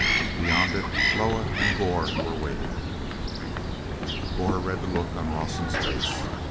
Beyond it Loah and Gor were waiting. Gor read the look on Rawson's face.